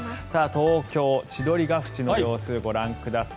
東京・千鳥ヶ淵の様子ご覧ください。